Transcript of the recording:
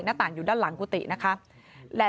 หน้าต่างอยู่ด้านหลังกุฏินะคะ